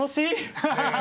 ハハハハ！